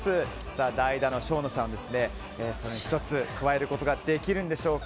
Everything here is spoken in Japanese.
代打の生野さん、１つ加えることができるのでしょうか。